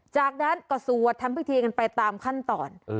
จากนั้นก็สวดทำพิธีกันไปตามขั้นตอน